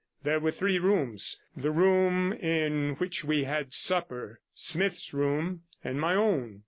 There were three rooms — the room in which we had supper, Smith's room, and my own.